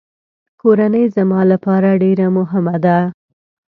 کورنۍ زما لپاره ډېره مهمه ده.